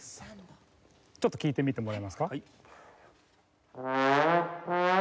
ちょっと聴いてみてもらえますか。